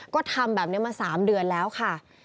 ก็ทำแบบนี้มา๓เดือนแล้วค่ะ